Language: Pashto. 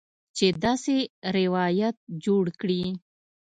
چې داسې روایت جوړ کړي